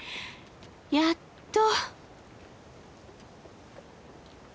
やっと。